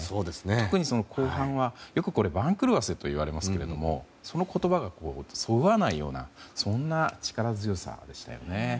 特に後半はよく番狂わせと言われますがその言葉がそぐわないようなそんな力強さでしたよね。